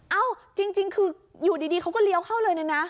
เอ้าจริงคืออยู่ดีเขาก็เลี้ยวเข้าเลยนะ